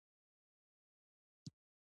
کله چې فکر وکړې، پوه به شې!